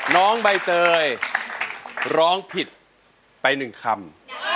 น้องใบเตยร้องผิดไป๑คำ